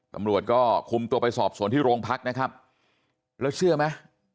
ตำรวจก็คุมตัวไปสอบสวนที่โรงพักนะครับแล้วเชื่อไหม